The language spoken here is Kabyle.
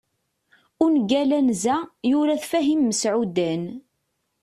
ungal anza, yura-t Fahim Meɛudan